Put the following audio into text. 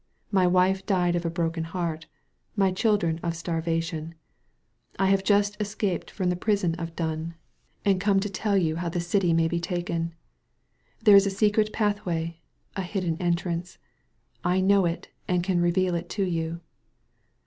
My wife died of a broken heart, my children of starvation. I have just escaped from the prison of Dun, and come 88 THE VALLEY OF VISION to tell you how the city may be taken. There is a secret pathway, a hidden entrance. I know it and can reveal it to you.''